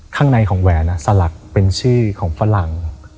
ข้างในของแหวนสลักเป็นชื่อของฝรั่ง